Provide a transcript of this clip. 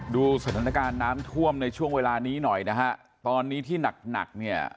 ดูสถานการณ์น้ำท่วมในช่วงเวลานี้หน่อยนะฮะตอนนี้ที่หนักหนักเนี่ย